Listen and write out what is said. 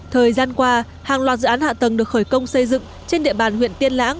thời gian qua hàng loạt dự án hạ tầng được khởi công xây dựng trên địa bàn huyện tiên lãng